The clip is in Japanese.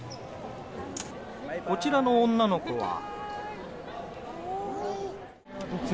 こちらの女の子は。